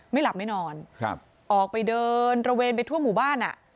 ไม่หลับไม่นอนออกไปเดินระเวนไปทั่วหมู่บ้าน